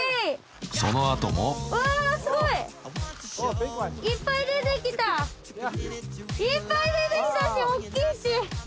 ［その後も］わすごい。いっぱい出てきたしおっきいし。